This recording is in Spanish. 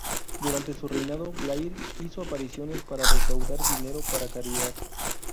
Durante su reinado, Blair hizo apariciones para recaudar dinero para caridad.